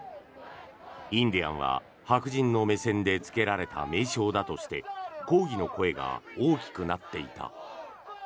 インディアンは白人の目線でつけられた名称だとして抗議の声が大きくなっていた。